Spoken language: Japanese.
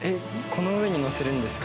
この上に載せるんですか？